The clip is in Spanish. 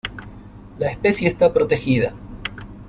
La especie está protegida.